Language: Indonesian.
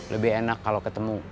lebih enak kalau ketemu